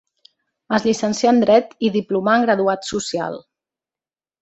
Es llicencià en dret i diplomà en graduat social.